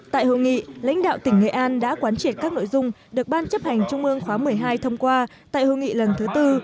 tại hội nghị lãnh đạo tỉnh nghệ an đã quán triệt các nội dung được ban chấp hành trung ương khóa một mươi hai thông qua tại hội nghị lần thứ tư